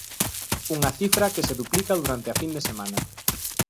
Unha cifra que se duplica durante a fin de semana.